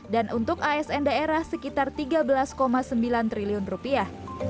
dan untuk asn daerah sekitar tiga belas sembilan triliun rupiah